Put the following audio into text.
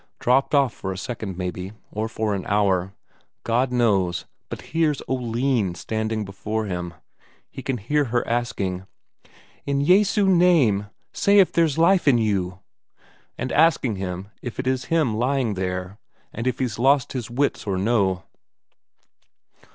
Dropped off for a second maybe, or for an hour, God knows, but here's Oline standing before him. He can hear her asking: "In Jesu name, say if there's life in you!" And asking him if it is him lying there, and if he's lost his wits or no.